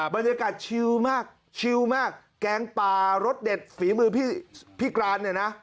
บรรยากาศชิลมากชิลมากแกงปลารสเด็ดฝีมือพี่กรานเนี่ยนะ